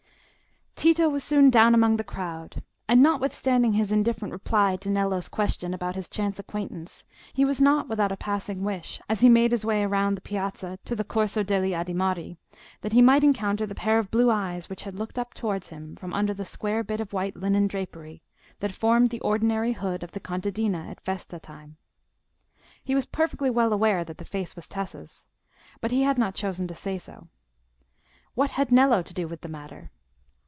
Tito was soon down among the crowd, and, notwithstanding his indifferent reply to Nello's question about his chance acquaintance, he was not without a passing wish, as he made his way round the piazza to the Corso degli Adimari, that he might encounter the pair of blue eyes which had looked up towards him from under the square bit of white linen drapery that formed the ordinary hood of the contadina at festa time. He was perfectly well aware that that face was Tessa's; but he had not chosen to say so. What had Nello to do with the matter?